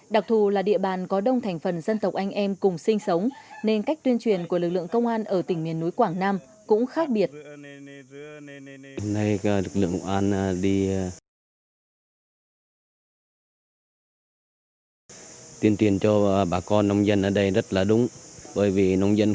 đặc thù là địa bàn có đông thành phần dân tộc anh em cùng sinh sống nên cách tuyên truyền của lực lượng công an ở tỉnh miền núi quảng nam cũng khác biệt